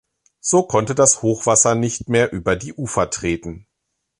So konnte das Hochwasser nicht mehr über die Ufer treten.